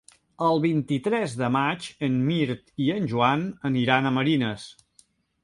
El vint-i-tres de maig en Mirt i en Joan aniran a Marines.